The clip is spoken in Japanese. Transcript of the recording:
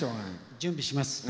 準備します。